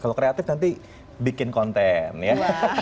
kalau kreatif nanti bikin konten ya